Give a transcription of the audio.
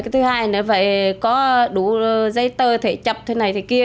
thứ hai nó phải có đủ dây tơ thể chập thế này thế kia